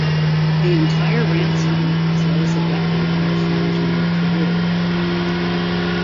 The entire ransom as well as a weapon were found near Peru.